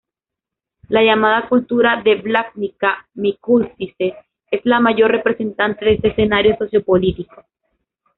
La llamada cultura de Blatnica-Mikulčice es la mayor representante de este escenario sociopolítico.